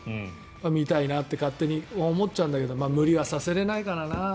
見たいなって勝手に思っちゃうんだけど無理はさせられないからな。